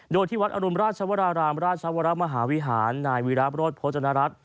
โดยที่วัดอรุณราชวรารามราชวรมหาวิหารนายวีราบโรธโภจนรัฐ